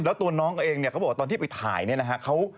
แล้วตัวน้องเองเนี่ยเขาบอกว่าตอนที่ไปถ่ายเนี่ยนะฮะ